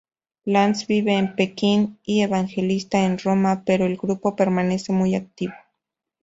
Lanz vive en Pekín y Evangelista en Roma pero el grupo permanece muy activo.